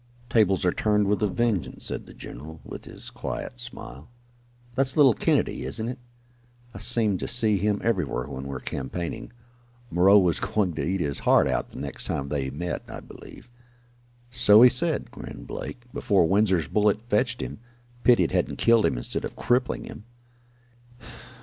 "Tables are turned with a vengeance," said the general, with his quiet smile. "That's little Kennedy, isn't it? I seem to see him everywhere when we're campaigning. Moreau was going to eat his heart out next time they met, I believe." "So he said," grinned Blake, "before Winsor's bullet fetched him. Pity it hadn't killed instead of crippling him."